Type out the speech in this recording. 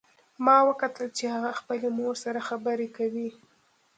ما وکتل چې هغه خپلې مور سره خبرې کوي